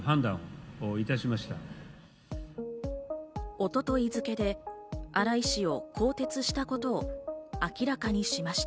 一昨日付で荒井氏を更迭したことを明らかにしました。